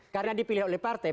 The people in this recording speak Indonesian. karena dipilih oleh partai